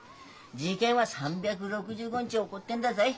事件は３６５日起こってんだぞい。